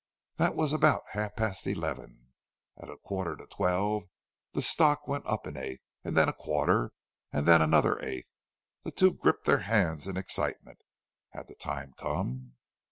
That was about half past eleven. At a quarter to twelve the stock went up an eighth, and then a quarter, and then another eighth. The two gripped their hands in excitement. Had the time come?